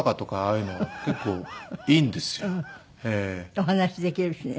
お話できるしね。